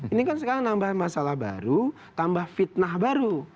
ini kan sekarang nambah masalah baru tambah fitnah baru